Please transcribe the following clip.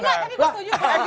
enggak tapi gue setuju